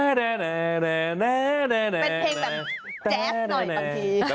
เป็นเพลงแบบแจ๊สหน่อยบางที